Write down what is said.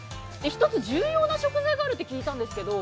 １つ重要な食材があると聞いたんですけれども？